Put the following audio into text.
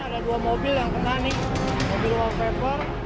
ada dua mobil yang kena nih mobil wallpaper